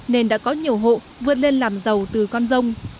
nên đã có nhiều hộ vượt lên làm giàu từ con rông